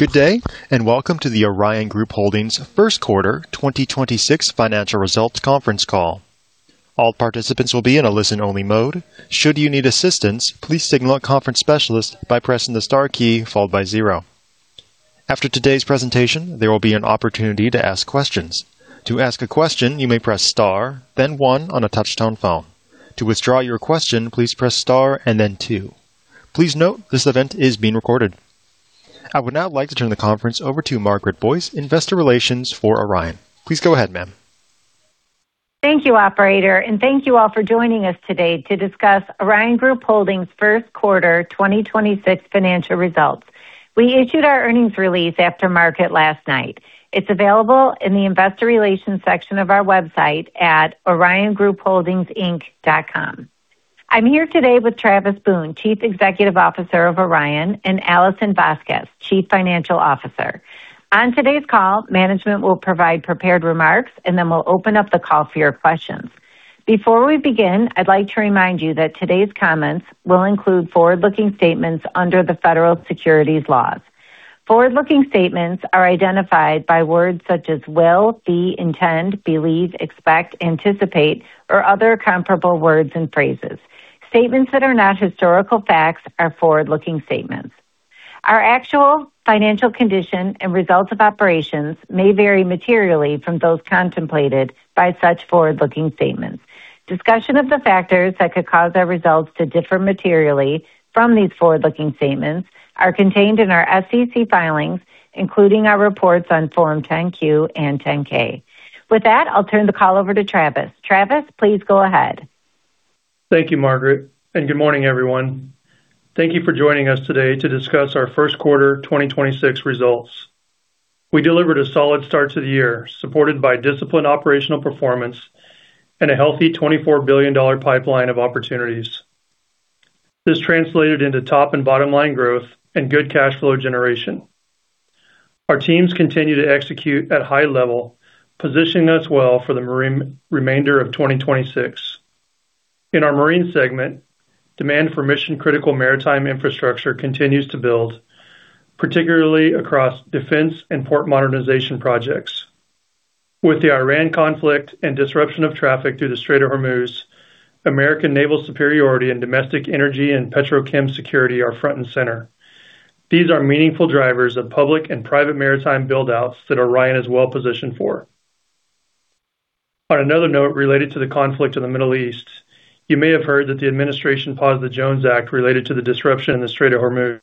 Good day, and welcome to the Orion Group Holdings First Quarter 2026 Financial Results conference call. All participants will be in a listen only mode, should you need assistance please signal conference specialist by pressing the star key followed by zero. After today's presentation, there will be an opportunity to ask questions. To ask a question you may press star then one one a touchtone phone. To withdraw your question, please press star and then two. Please note this event is being recorded. I would now like to turn the conference over to Margaret Boyce, Investor Relations for Orion. Please go ahead, ma'am. Thank you, operator, and thank you all for joining us today to discuss Orion Group Holdings' first quarter 2026 financial results. We issued our earnings release after market last night. It's available in the investor relations section of our website at oriongroupholdingsinc.com. I'm here today with Travis Boone, Chief Executive Officer of Orion, and Alison Vasquez, Chief Financial Officer. On today's call, management will provide prepared remarks, and then we'll open up the call for your questions. Before we begin, I'd like to remind you that today's comments will include forward-looking statements under the Federal Securities laws. Forward-looking statements are identified by words such as will, be, intend, believe, expect, anticipate, or other comparable words and phrases. Statements that are not historical facts are forward-looking statements. Our actual financial condition and results of operations may vary materially from those contemplated by such forward-looking statements. Discussion of the factors that could cause our results to differ materially from these forward-looking statements are contained in our SEC filings, including our reports on Form 10-Q and 10-K. With that, I'll turn the call over to Travis. Travis, please go ahead. Thank you, Margaret, and good morning, everyone. Thank you for joining us today to discuss our first quarter 2026 results. We delivered a solid start to the year, supported by disciplined operational performance and a healthy $24 billion pipeline of opportunities. This translated into top and bottom-line growth and good cash flow generation. Our teams continue to execute at high level, positioning us well for the remainder of 2026. In our marine segment, demand for mission-critical maritime infrastructure continues to build, particularly across defense and port modernization projects. With the Iran conflict and disruption of traffic through the Strait of Hormuz, American naval superiority and domestic energy and petrochem security are front and center. These are meaningful drivers of public and private maritime build-outs that Orion is well positioned for. On another note related to the conflict in the Middle East, you may have heard that the administration paused the Jones Act related to the disruption in the Strait of Hormuz.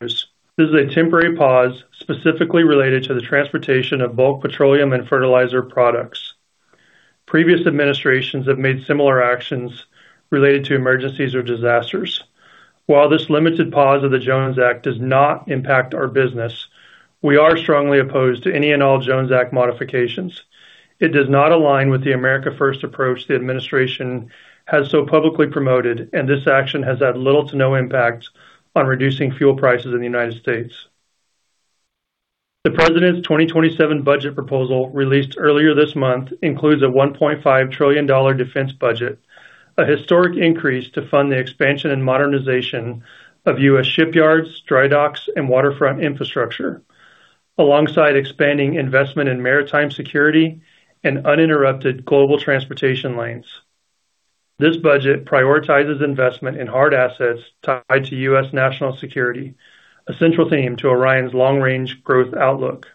This is a temporary pause specifically related to the transportation of bulk petroleum and fertilizer products. Previous administrations have made similar actions related to emergencies or disasters. While this limited pause of the Jones Act does not impact our business, we are strongly opposed to any and all Jones Act modifications. It does not align with the America First approach the administration has so publicly promoted, and this action has had little to no impact on reducing fuel prices in the United States. The President's 2027 budget proposal released earlier this month includes a $1.5 trillion defense budget, a historic increase to fund the expansion and modernization of U.S. shipyards, dry docks, and waterfront infrastructure, alongside expanding investment in maritime security and uninterrupted global transportation lanes. This budget prioritizes investment in hard assets tied to U.S. national security, a central theme to Orion's long-range growth outlook.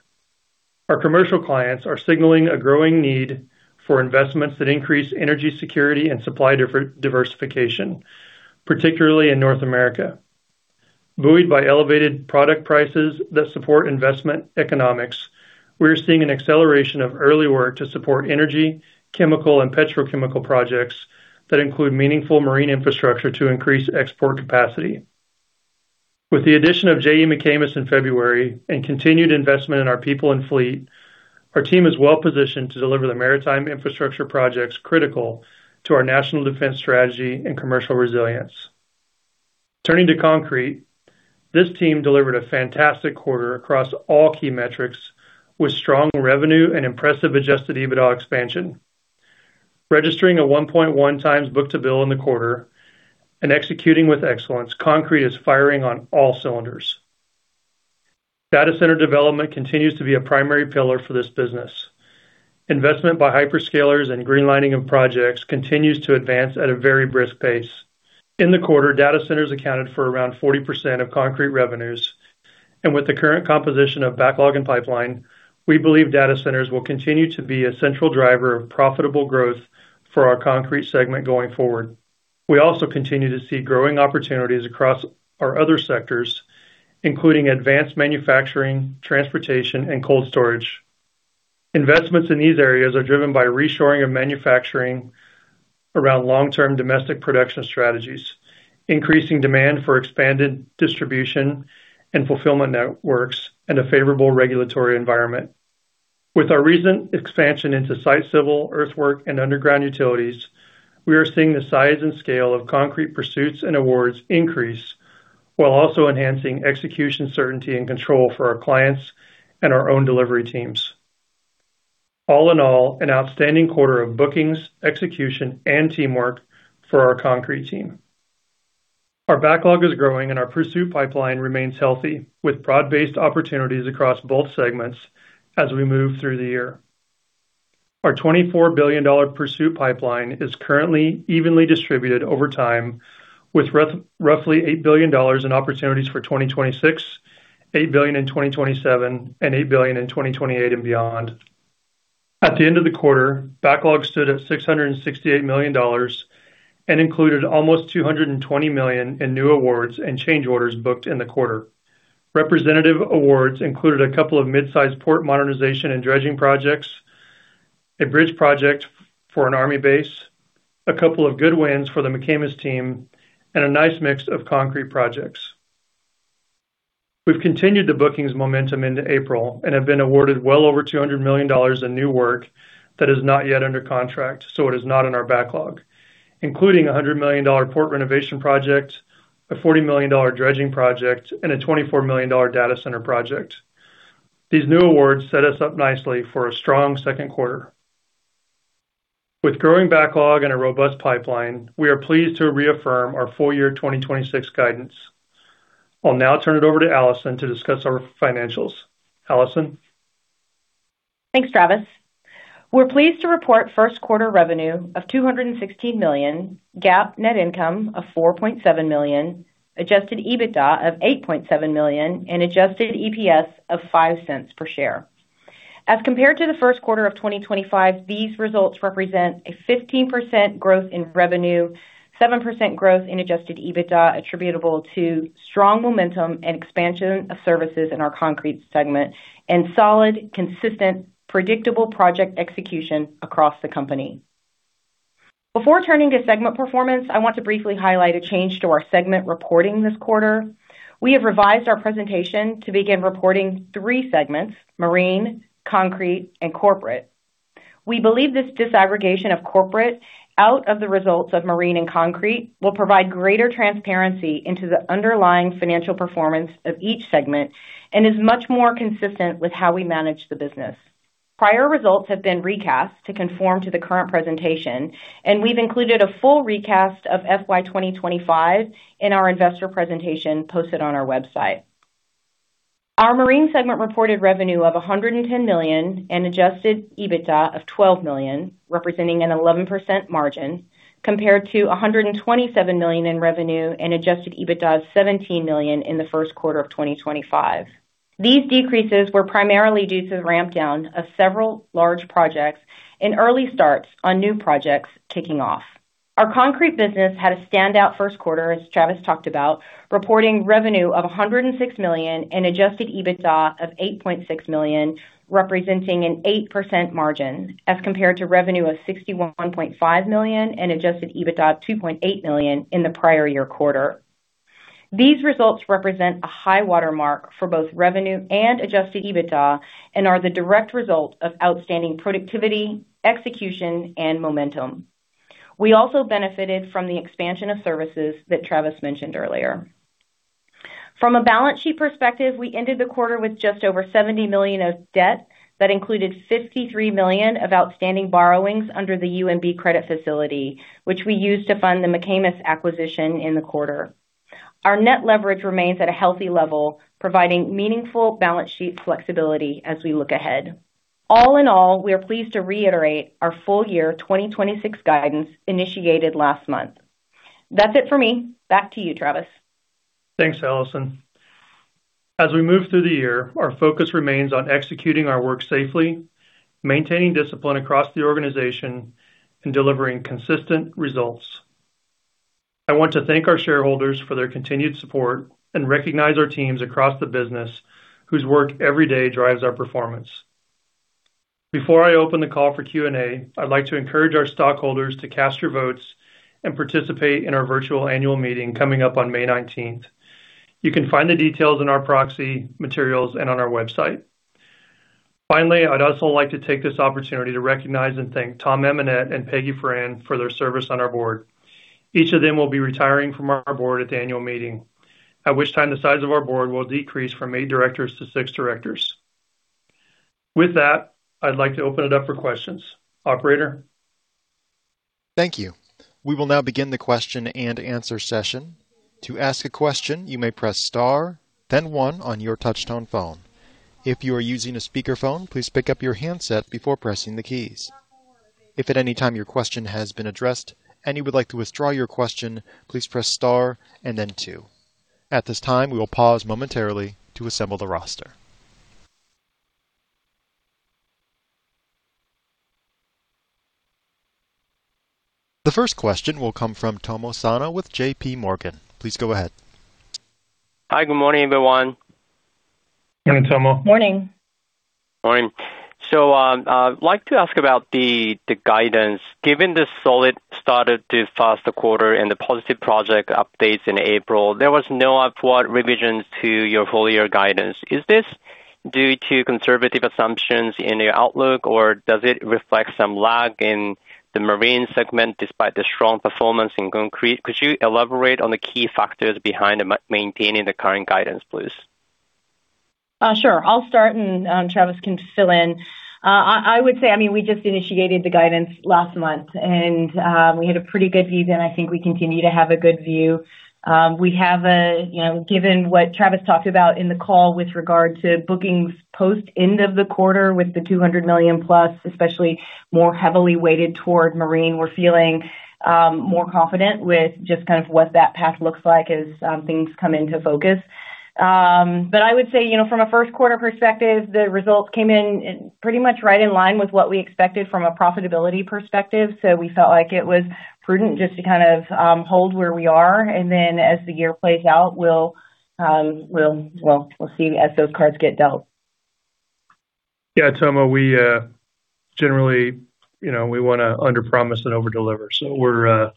Our commercial clients are signaling a growing need for investments that increase energy security and supply diversification, particularly in North America. Buoyed by elevated product prices that support investment economics, we are seeing an acceleration of early work to support energy, chemical, and petrochemical projects that include meaningful marine infrastructure to increase export capacity. With the addition of J.E. McAmis in February and continued investment in our people and fleet, our team is well-positioned to deliver the maritime infrastructure projects critical to our national defense strategy and commercial resilience. Turning to concrete, this team delivered a fantastic quarter across all key metrics with strong revenue and impressive adjusted EBITDA expansion. Registering a 1.1 times book-to-bill in the quarter and executing with excellence, concrete is firing on all cylinders. Data center development continues to be a primary pillar for this business. Investment by hyperscalers and greenlighting of projects continues to advance at a very brisk pace. In the quarter, data centers accounted for around 40% of concrete revenues. With the current composition of backlog and pipeline, we believe data centers will continue to be a central driver of profitable growth for our concrete segment going forward. We also continue to see growing opportunities across our other sectors, including advanced manufacturing, transportation, and cold storage. Investments in these areas are driven by reshoring of manufacturing around long-term domestic production strategies, increasing demand for expanded distribution and fulfillment networks, and a favorable regulatory environment. With our recent expansion into site civil, earthwork, and underground utilities, we are seeing the size and scale of concrete pursuits and awards increase while also enhancing execution certainty and control for our clients and our own delivery teams. All in all, an outstanding quarter of bookings, execution, and teamwork for our concrete team. Our backlog is growing and our pursuit pipeline remains healthy, with broad-based opportunities across both segments as we move through the year. Our $24 billion pursuit pipeline is currently evenly distributed over time, with roughly $8 billion in opportunities for 2026, $8 billion in 2027, and $8 billion in 2028 and beyond. At the end of the quarter, backlog stood at $668 million and included almost $220 million in new awards and change orders booked in the quarter. Representative awards included a couple of mid-sized port modernization and dredging projects, a bridge project for an army base, a couple of good wins for the McAmis team, and a nice mix of concrete projects. We've continued the bookings momentum into April and have been awarded well over $200 million in new work that is not yet under contract, so it is not in our backlog, including a $100 million port renovation project, a $40 million dredging project, and a $24 million data center project. These new awards set us up nicely for a strong second quarter. With growing backlog and a robust pipeline, we are pleased to reaffirm our full year 2026 guidance. I'll now turn it over to Alison to discuss our financials. Alison? Thanks, Travis. We're pleased to report first quarter revenue of $216 million, GAAP net income of $4.7 million, adjusted EBITDA of $8.7 million, and adjusted EPS of $0.05 per share. As compared to the first quarter of 2025, these results represent a 15% growth in revenue, 7% growth in adjusted EBITDA, attributable to strong momentum and expansion of services in our concrete segment, and solid, consistent, predictable project execution across the company. Before turning to segment performance, I want to briefly highlight a change to our segment reporting this quarter. We have revised our presentation to begin reporting three segments: marine, concrete, and corporate. We believe this disaggregation of corporate out of the results of marine and concrete will provide greater transparency into the underlying financial performance of each segment and is much more consistent with how we manage the business. Prior results have been recast to conform to the current presentation, and we've included a full recast of FY 2025 in or investor presentation posted on or website. Our marine segment reported revenue of $110 million and adjusted EBITDA of $12 million, representing an 11% margin, compared to $127 million in revenue and adjusted EBITDA of $17 million in the first quarter of 2025. These decreases were primarily due to the ramp down of several large projects and early starts on new projects kicking off. Our concrete business had a standout first quarter, as Travis talked about, reporting revenue of $106 million and adjusted EBITDA of $8.6 million, representing an 8% margin, as compared to revenue of $61.5 million and adjusted EBITDA of $2.8 million in the prior year quarter. These results represent a high watermark for both revenue and adjusted EBITDA and are the direct result of outstanding productivity, execution, and momentum. We also benefited from the expansion of services that Travis mentioned earlier. From a balance sheet perspective, we ended the quarter with just over $70 million of debt. That included $53 million of outstanding borrowings under the UMB credit facility, which we used to fund the McAmis acquisition in the quarter. Our net leverage remains at a healthy level, providing meaningful balance sheet flexibility as we look ahead. All in all, we are pleased to reiterate our full year 2026 guidance initiated last month. That's it for me. Back to you, Travis. Thanks, Alison. As we move through the year, our focus remains on executing our work safely, maintaining discipline across the organization, and delivering consistent results. I want to thank our shareholders for their continued support and recognize our teams across the business whose work every day drives our performance. Before I open the call for Q&A, I'd like to encourage our stockholders to cast your votes and participate in our virtual annual meeting coming up on May 19th. You can find the details in our proxy materials and on our website. I'd also like to take this opportunity to recognize and thank Tom Amonett and Peggy Foran for their service on our board. Each of them will be retiring from our board at the annual meeting, at which time the size of our board will decrease from eight directors to six directors. With that, I'd like to open it up for questions. Operator? Thank you. We will now begin the question-and-answer session. To ask a question, you may press star then one on your touchtone phone. If you are using a speakerphone please pick up your handset before pressing the keys. If at anytime your question has been addressed and you would like to withdraw your question please press star and then two. At this time, we will pause momentarily to assemble the roster. The first question will come from Tomo Sano with JPMorgan. Please go ahead. Hi. Good morning, everyone. Good morning, Tomo. Morning. Morning. I'd like to ask about the guidance. Given the solid start to the first quarter and the positive project updates in April, there was no upward revisions to your full year guidance. Is this due to conservative assumptions in your outlook, or does it reflect some lag in the marine segment despite the strong performance in concrete? Could you elaborate on the key factors behind maintaining the current guidance, please? Sure. I'll start and Travis can fill in. I mean, we just initiated the guidance last month, we had a pretty good view then. I think we continue to have a good view. You know, given what Travis talked about in the call with regard to bookings post end of the quarter with the $200+ million, especially more heavily weighted toward marine, we're feeling more confident with just kind of what that path looks like as things come into focus. I would say, you know, from a first quarter perspective, the results came in pretty much right in line with what we expected from a profitability perspective. We felt like it was prudent just to kind of hold where we are. As the year plays out, we'll see as those cards get dealt. Yeah, Tomo, we, generally, you know, we wanna underpromise and overdeliver. We're,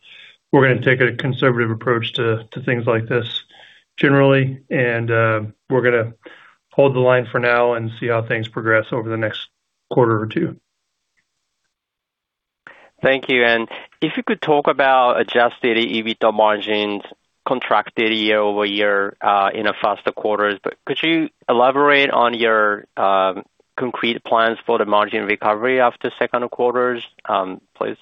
we're gonna take a conservative approach to things like this generally. We're gonna hold the line for now and see how things progress over the next quarter or two. Thank you. If you could talk about adjusted EBITDA margins contracted year-over-year in the first quarter, could you elaborate on your concrete plans for the margin recovery after second quarter, please?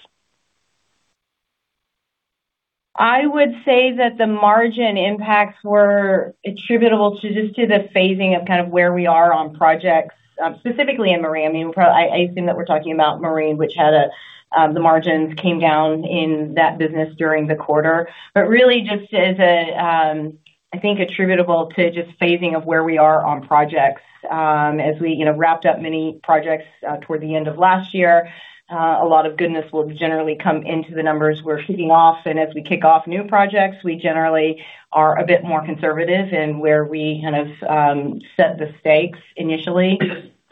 I would say that the margin impacts were attributable to just the phasing of kind of where we are on projects, specifically in marine. I mean, I assume that we're talking about marine, which had a, the margins came down in that business during the quarter. Really just is a, I think attributable to just phasing of where we are on projects. As we, you know, wrapped up many projects toward the end of last year, a lot of goodness will generally come into the numbers we're seeing off. As we kick off new projects, we generally are a bit more conservative in where we kind of set the stakes initially.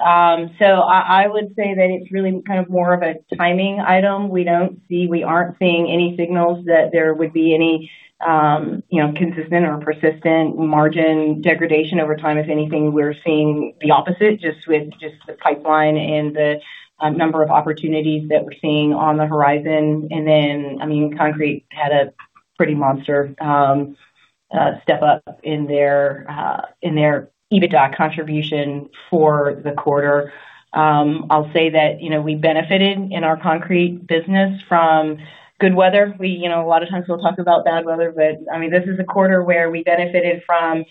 I would say that it's really kind of more of a timing item. We don't see, we aren't seeing any signals that there would be any, you know, consistent or persistent margin degradation over time. If anything, we're seeing the opposite just with the pipeline and the number of opportunities that we're seeing on the horizon. I mean, concrete had a pretty monster step up in their EBITDA contribution for the quarter. I'll say that, you know, we benefited in our concrete business from good weather. We, you know, a lot of times we'll talk about bad weather, but I mean, this is a quarter where we benefited from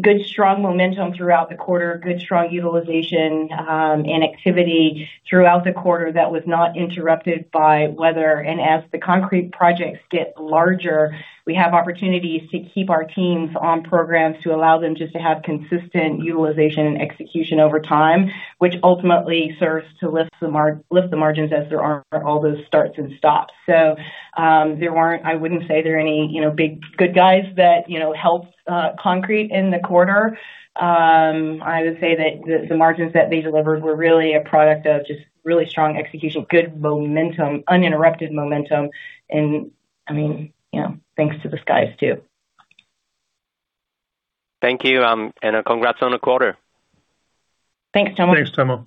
good, strong momentum throughout the quarter, good, strong utilization and activity throughout the quarter that was not interrupted by weather. As the concrete projects get larger, we have opportunities to keep our teams on programs to allow them just to have consistent utilization and execution over time, which ultimately serves to lift the margins as there aren't all those starts and stops. There weren't, I wouldn't say there are any, you know, big good guys that, you know, helped concrete in the quarter. I would say that the margins that they delivered were really a product of just really strong execution, good momentum, uninterrupted momentum, and I mean, you know, thanks to the skies too. Thank you, and congrats on the quarter. Thanks, Tomo. Thanks, Tomo.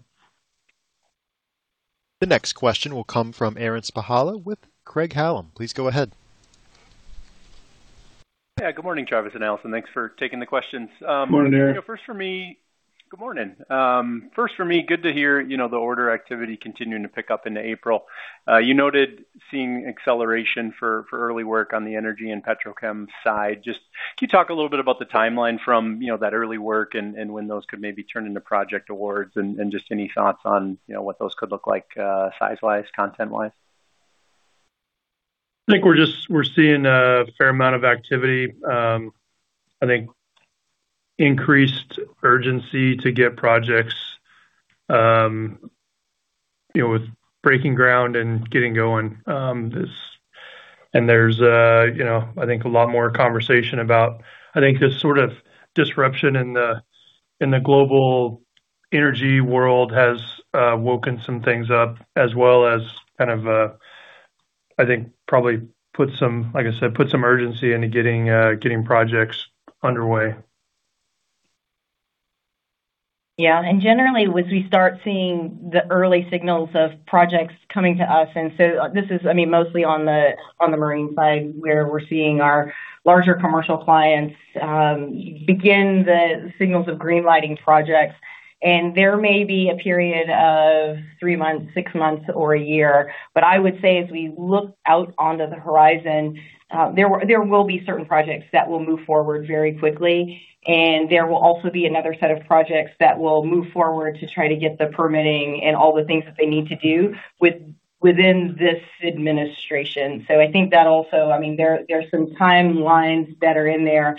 The next question will come from Aaron Spychalla with Craig-Hallum. Please go ahead. Yeah. Good morning, Travis and Alison. Thanks for taking the questions. Morning, Aaron. Good morning. First for me, good to hear, you know, the order activity continuing to pick up into April. You noted seeing acceleration for early work on the energy and petrochem side. Just can you talk a little bit about the timeline from, you know, that early work and when those could maybe turn into project awards? Just any thoughts on, you know, what those could look like, size-wise, content-wise? I think we're seeing a fair amount of activity. I think increased urgency to get projects, you know, with breaking ground and getting going is. There's, you know, I think a lot more conversation about, I think the sort of disruption in the, in the global energy world has woken some things up, as well as kind of, I think probably put some, like I said, put some urgency into getting projects underway. Yeah. Generally, as we start seeing the early signals of projects coming to us, this is, I mean, mostly on the marine side, where we're seeing our larger commercial clients begin the signals of greenlighting projects. There may be a period of three months, six months, or a year. I would say as we look out onto the horizon, there will be certain projects that will move forward very quickly. There will also be another set of projects that will move forward to try to get the permitting and all the things that they need to do within this administration. I think that also, I mean, there are some timelines that are in there.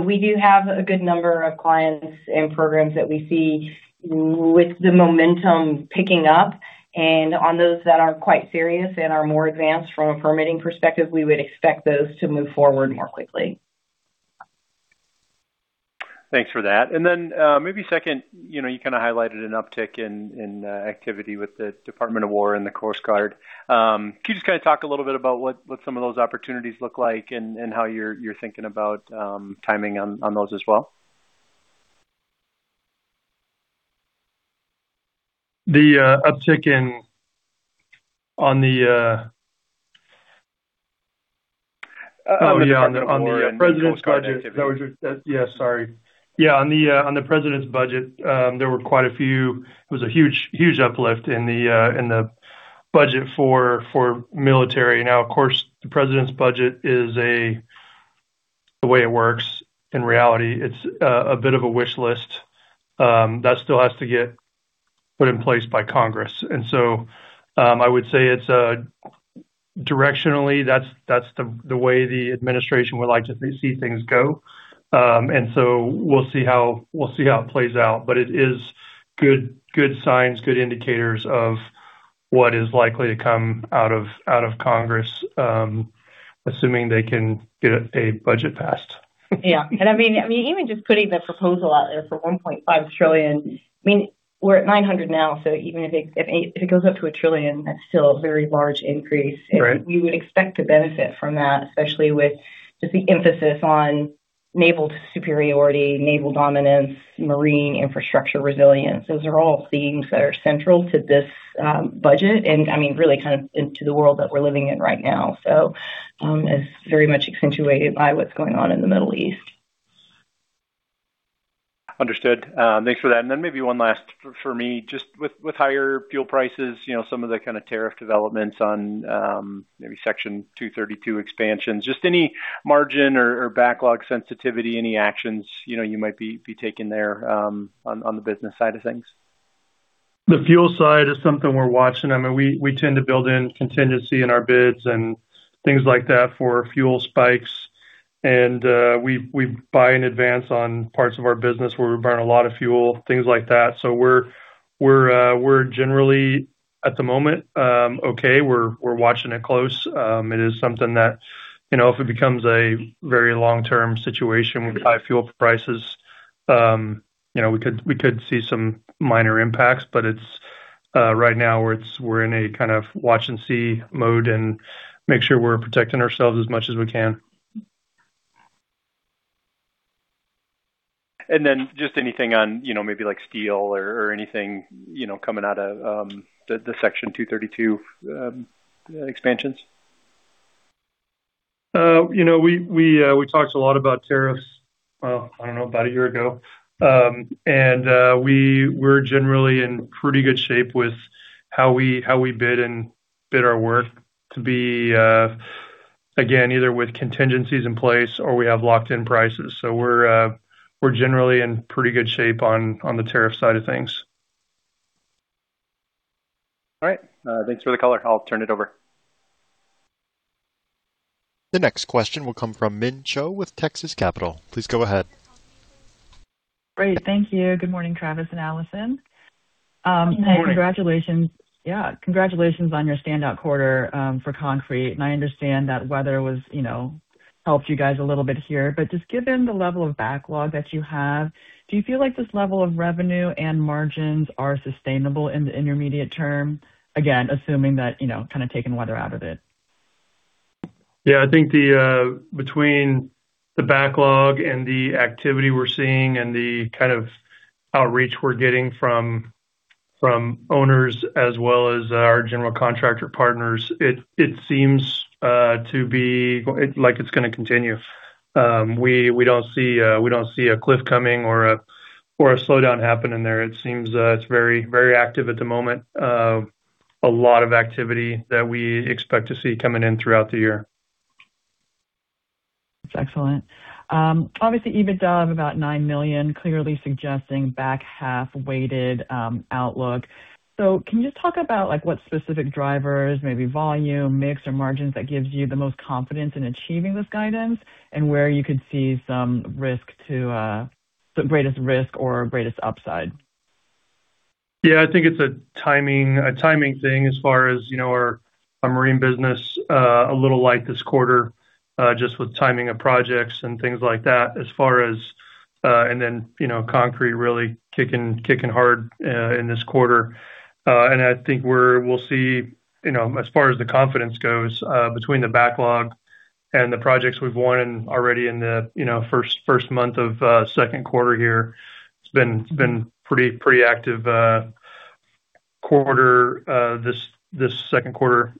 We do have a good number of clients and programs that we see with the momentum picking up. On those that are quite serious and are more advanced from a permitting perspective, we would expect those to move forward more quickly. Thanks for that. Maybe second, you know, you kinda highlighted an uptick in activity with the Department of Defense and the Coast Guard. Can you just kinda talk a little bit about what some of those opportunities look like and how you're thinking about timing on those as well? The uptick in, on the, on the president's budget. Yeah, sorry. Yeah, on the president's budget, it was a huge uplift in the budget for military. Now, of course, the president's budget is a, the way it works, in reality, it's a bit of a wish list that still has to get put in place by Congress. I would say it's directionally that's the way the administration would like to see things go. We'll see how it plays out. It is good signs, good indicators of what is likely to come out of Congress, assuming they can get a budget passed. Yeah. I mean, even just putting the proposal out there for $1.5 trillion, I mean, we're at $900 now, so even if it goes up to $1 trillion, that's still a very large increase. Right. We would expect to benefit from that, especially with just the emphasis on naval superiority, naval dominance, marine infrastructure resilience. Those are all themes that are central to this budget and, I mean, really kind of into the world that we're living in right now. It's very much accentuated by what's going on in the Middle East. Understood. Thanks for that. Then maybe one last for me, just with higher fuel prices, you know, some of the kind of tariff developments on, maybe Section 232 expansions, just any margin or backlog sensitivity, any actions, you know, you might be taking there, on the business side of things? The fuel side is something we're watching. I mean, we tend to build in contingency in our bids and things like that for fuel spikes. We buy in advance on parts of our business where we burn a lot of fuel, things like that. We're generally, at the moment, okay. We're watching it close. It is something that, you know, if it becomes a very long-term situation. Right with high fuel prices, you know, we could see some minor impacts. Right now we're in a kind of watch and see mode and make sure we're protecting ourselves as much as we can. Just anything on, you know, maybe like steel or anything, you know, coming out of the Section 232 expansions. You know, we talked a lot about tariffs, I don't know, about a year ago. We were generally in pretty good shape with how we bid our work to be, again, either with contingencies in place or we have locked in prices. We're generally in pretty good shape on the tariff side of things. All right. Thanks for the color. I'll turn it over. The next question will come from Min Cho with Texas Capital. Please go ahead. Great. Thank you. Good morning, Travis and Alison. Good morning. Congratulations. Congratulations on your standout quarter for Concrete. I understand that weather was, you know, helped you guys a little bit here. Just given the level of backlog that you have, do you feel like this level of revenue and margins are sustainable in the intermediate term? Again, assuming that, you know, kind of taking weather out of it. I think the between the backlog and the activity we're seeing and the kind of outreach we're getting from owners as well as our general contractor partners, it seems like it's gonna continue. We don't see a, we don't see a cliff coming or a slowdown happening there. It seems it's very active at the moment. A lot of activity that we expect to see coming in throughout the year. That's excellent. Obviously EBITDA of about $9 million, clearly suggesting back half weighted, outlook, can you just talk about like what specific drivers, maybe volume, mix, or margins, that gives you the most confidence in achieving this guidance? And where you could see some risk to, the greatest risk or greatest upside? Yeah. I think it's a timing thing as far as, you know, our marine business, a little light this quarter, just with timing of projects and things like that as far as, and then, you know, concrete really kicking hard in this quarter. I think we'll see, you know, as far as the confidence goes, between the backlog and the projects we've won already in the, you know, first month of second quarter here. It's been pretty active quarter this second quarter.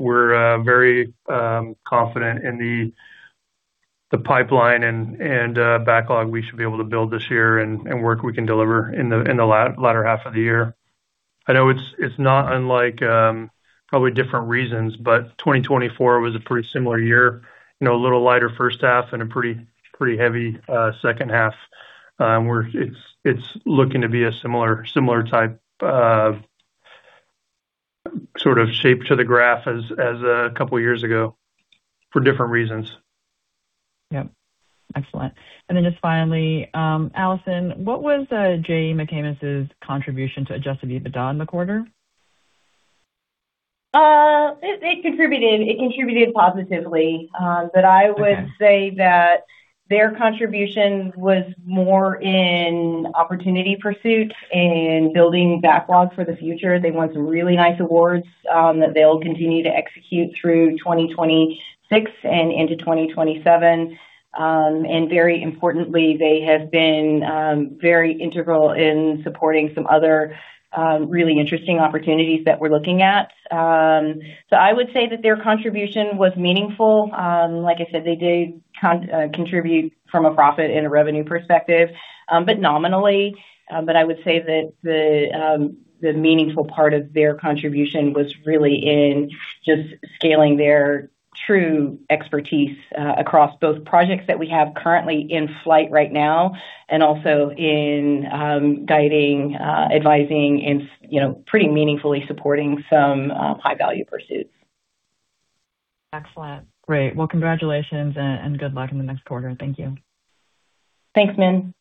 We're very confident in the pipeline and backlog we should be able to build this year and work we can deliver in the latter half of the year. I know it's not unlike, probably different reasons, but 2024 was a pretty similar year. You know, a little lighter first half and a pretty heavy second half. It's looking to be a similar type of sort of shape to the graph as a couple of years ago for different reasons. Yep. Excellent. Just finally, Alison, what was J.E. McAmis' contribution to adjusted EBITDA in the quarter? It contributed positively. Their contribution was more in opportunity pursuit and building backlog for the future. They won some really nice awards that they'll continue to execute through 2026 and into 2027. Very importantly, they have been very integral in supporting some other really interesting opportunities that we're looking at. I would say that their contribution was meaningful. Like I said, they did contribute from a profit and a revenue perspective, nominally. I would say that the meaningful part of their contribution was really in just scaling their true expertise across both projects that we have currently in flight right now and also in guiding, advising and, you know, pretty meaningfully supporting some high value pursuits. Excellent. Great. Congratulations, and good luck in the next quarter. Thank you. Thanks, Min.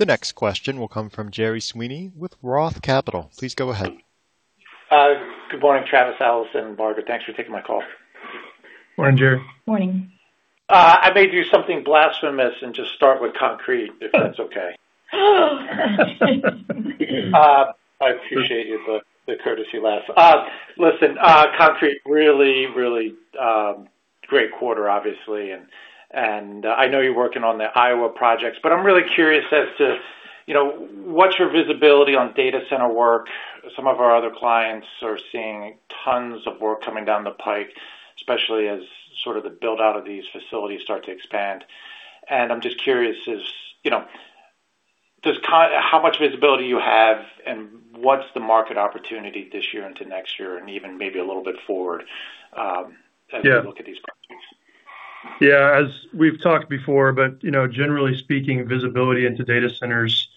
The next question will come from Gerry Sweeney with Roth Capital. Please go ahead. Good morning, Travis, Alison, and Margaret. Thanks for taking my call. Morning, Gerry. Morning. I may do something blasphemous and just start with concrete, if that's okay. I appreciate your the courtesy laugh. Listen, Concrete, great quarter, obviously. I know you're working on the Iowa projects, but I'm really curious as to, you know, what's your visibility on data center work? Some of our other clients are seeing tons of work coming down the pike, especially as sort of the build-out of these facilities start to expand. I'm just curious as, you know, how much visibility you have and what's the market opportunity this year into next year and even maybe a little bit forward. Yeah as we look at these projects. Yeah. As we've talked before, but, you know, generally speaking, visibility into data centers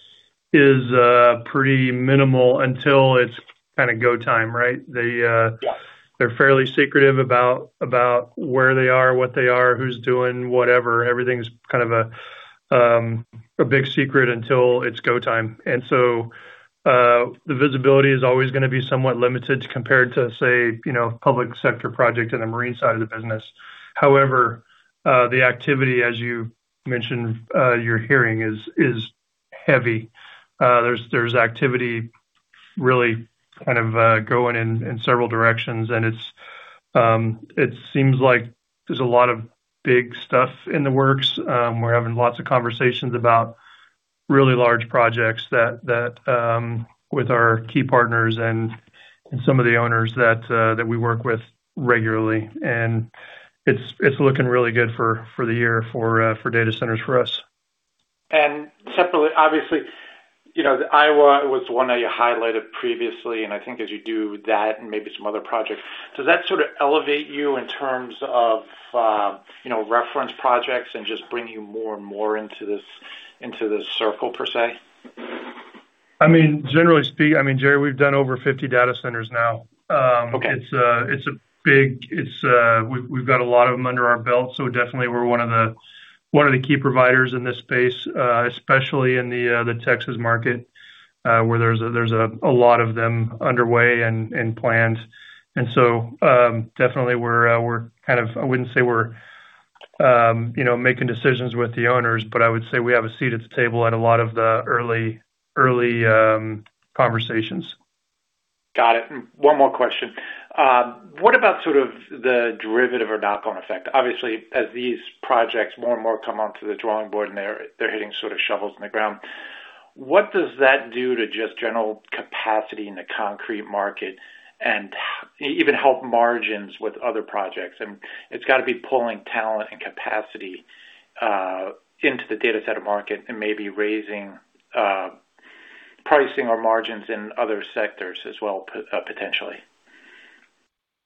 is pretty minimal until it's kinda go time, right? Yeah They're fairly secretive about where they are, what they are, who's doing whatever. Everything's kind of a big secret until it's go time. The visibility is always gonna be somewhat limited compared to say, you know, public sector project in the marine side of the business. However, the activity, as you mentioned, you're hearing is heavy. There's activity really kind of going in several directions. It seems like there's a lot of big stuff in the works. We're having lots of conversations about really large projects that with our key partners and some of the owners that we work with regularly. It's looking really good for the year for data centers for us. Separately, obviously, you know, the Iowa was one that you highlighted previously, and I think as you do that and maybe some other projects, does that sort of elevate you in terms of, you know, reference projects and just bring you more and more into this, into this circle per se? I mean, Gerry, we've done over 50 data centers now. Okay it's a big, we've got a lot of them under our belt, so definitely we're one of the key providers in this space, especially in the Texas market, where there's a lot of them underway and planned. Definitely I wouldn't say we're, you know, making decisions with the owners, but I would say we have a seat at the table at a lot of the early conversations. Got it. One more question. What about sort of the derivative or knock-on effect? Obviously, as these projects more and more come onto the drawing board and they're hitting sort of shovels in the ground, what does that do to just general capacity in the concrete market and even help margins with other projects? It's gotta be pulling talent and capacity into the data center market and maybe raising pricing or margins in other sectors as well potentially.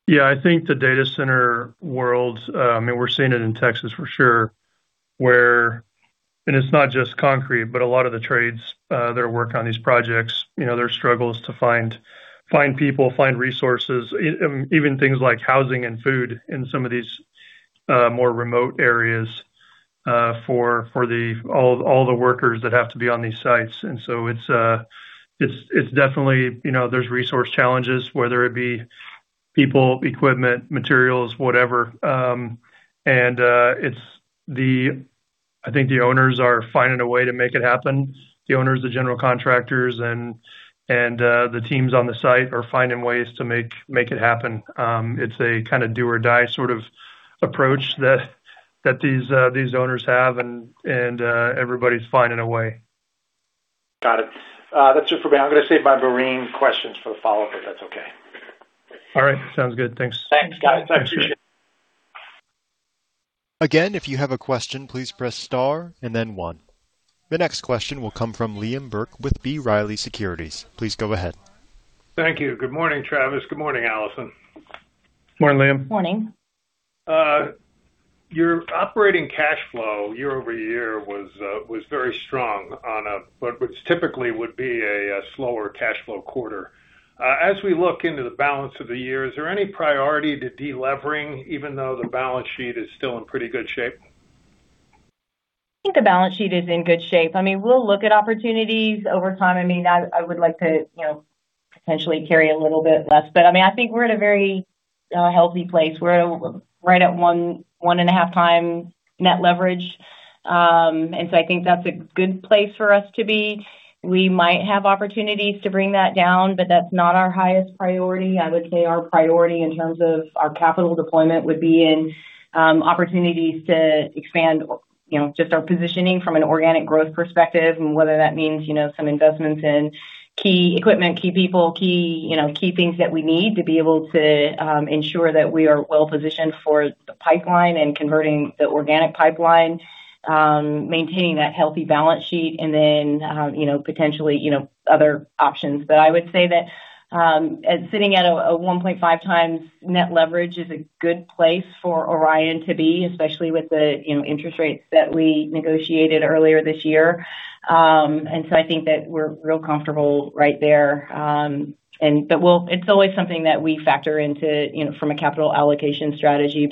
Yeah. I think the data center world, and we're seeing it in Texas for sure, where it's not just Concrete, but a lot of the trades that work on these projects, you know, there are struggles to find people, find resources, even things like housing and food in some of these more remote areas for all the workers that have to be on these sites. It's definitely, you know, there's resource challenges, whether it be people, equipment, materials, whatever. I think the owners are finding a way to make it happen. The owners, the general contractors and the teams on the site are finding ways to make it happen. It's a kind of do or die sort of approach that these owners have, and everybody's finding a way. Got it. That's it for me. I'm gonna save my marine questions for the follow-up, if that's okay. All right. Sounds good. Thanks. Thanks, guys. I appreciate it. Again, if you have a question, please press star and then one. The next question will come from Liam Burke with B. Riley Securities. Please go ahead. Thank you. Good morning, Travis. Good morning, Alison. Morning, Liam. Morning. Your operating cash flow year-over-year was very strong on what would typically be a slower cash flow quarter. As we look into the balance of the year, is there any priority to delevering even though the balance sheet is still in pretty good shape? I think the balance sheet is in good shape. I mean, we'll look at opportunities over time. I mean, I would like to, you know, potentially carry a little bit less. I mean, I think we're in a very healthy place. We're right at 1.5 times net leverage. I think that's a good place for us to be. We might have opportunities to bring that down, but that's not our highest priority. I would say our priority in terms of our capital deployment would be in, opportunities to expand, you know, just our positioning from an organic growth perspective and whether that means, you know, some investments in key equipment, key people, key, you know, key things that we need to be able to, ensure that we are well-positioned for the pipeline and converting the organic pipeline, maintaining that healthy balance sheet and then, you know, potentially, you know, other options. I would say that, sitting at a 1.5 times net leverage is a good place for Orion to be, especially with the, you know, interest rates that we negotiated earlier this year. I think that we're real comfortable right there. It's always something that we factor into, you know, from a capital allocation strategy.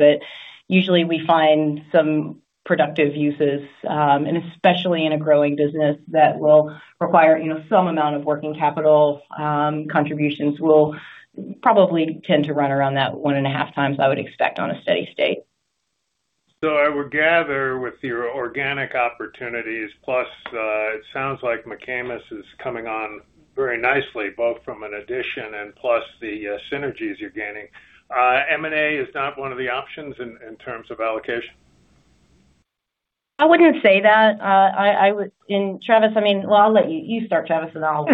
Usually we find some productive uses, and especially in a growing business that will require, you know, some amount of working capital, contributions. We'll probably tend to run around that one and a half times, I would expect, on a steady state. I would gather with your organic opportunities, plus, it sounds like McAmis is coming on very nicely, both from an addition and plus the synergies you're gaining. M&A is not one of the options in terms of allocation? I wouldn't say that. Travis, I mean. Well, I'll let you. You start, Travis, and then I'll.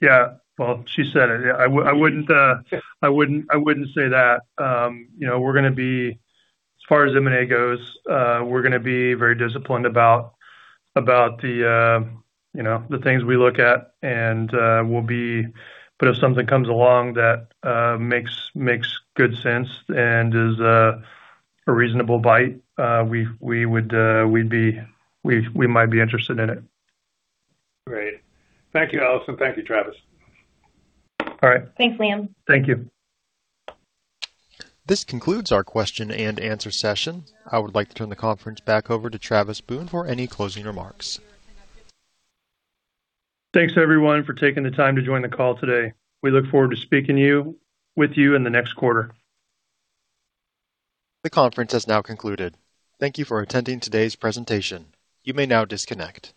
Yeah. Well, she said it. Yeah, I wouldn't say that. You know, we're gonna be, as far as M&A goes, we're gonna be very disciplined about the, you know, the things we look at. But if something comes along that makes good sense and is a reasonable bite, we would, we might be interested in it. Great. Thank you, Alison. Thank you, Travis. All right. Thanks, Liam. Thank you. This concludes our question and answer session. I would like to turn the conference back over to Travis Boone for any closing remarks. Thanks everyone for taking the time to join the call today. We look forward to speaking with you in the next quarter. The conference has now concluded. Thank you for attending today's presentation. You may now disconnect.